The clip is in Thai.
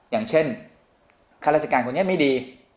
อย่างเช่นข้าราชการคนนี้ไม่ดี